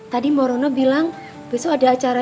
tadi mok rono bilang besok ada acara